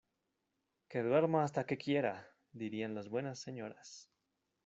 ¡Que duerma hasta que quiera! dirían las buenas señoras.